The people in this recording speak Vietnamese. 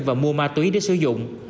và mua ma túy để sử dụng